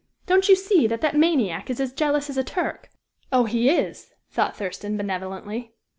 Don't you see that that maniac is as jealous as a Turk?" "Oh! he is!" thought Thurston, benevolently.